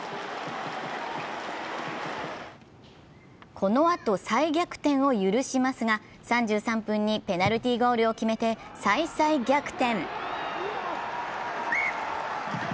このあと再逆転を許しますが３３分にペナルティーゴールを決めて再再逆転。